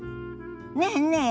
ねえねえ